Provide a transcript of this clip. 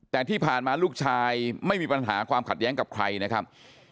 แต่ที่ผ่านมาลูกชายไม่มีปัญหาความขัดแย้งกับใครนะครับ